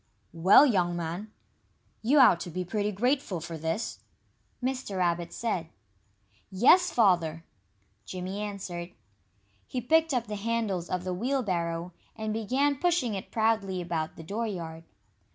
"Well, young man, you ought to be pretty grateful for this," Mr. Rabbit said. "Yes, Father!" Jimmy answered. He picked up the handles of the wheelbarrow, and began pushing it proudly about the dooryard.